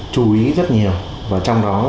chú ý rất nhiều và trong đó